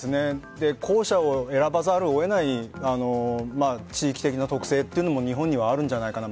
後者を選ばざるを得ない地域的な特性というのも日本にはあるんじゃないかな。